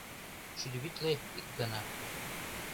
— Шӱдӧ витле — ик гана!